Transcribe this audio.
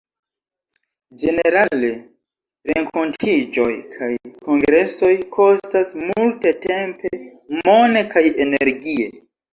Ĝenerale, renkontiĝoj kaj kongresoj kostas multe tempe, mone, kaj energie.